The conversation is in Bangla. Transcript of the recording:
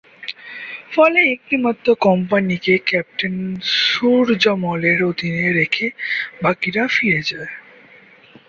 ফলে একটি মাত্র কোম্পানিকে ক্যাপ্টেন সুরযমলের অধীনে রেখে বাকিরা ফিরে যায়।